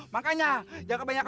wah aku gak